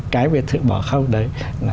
cái biệt thự bỏ không đấy